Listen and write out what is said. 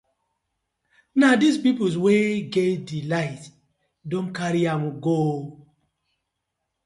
Na di pipus wey get di light don karry am go.